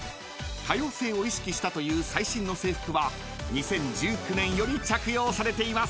［多様性を意識したという最新の制服は２０１９年より着用されています］